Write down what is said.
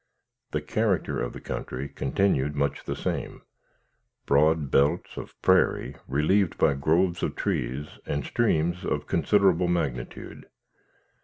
The character of the country continued much the same broad belts of prairie relieved by groves of trees and streams of considerable magnitude.